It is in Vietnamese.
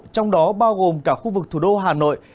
trong đó bao gồm cả khu vực thủ đô hà nội